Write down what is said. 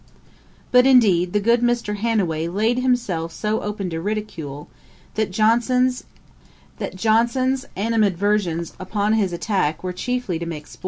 But, indeed, the good Mr. Hanway laid himself so open to ridicule, that Johnson's animadversions upon his attack were chiefly to make sport.